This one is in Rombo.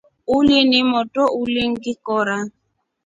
Uli ni motro ulingikora.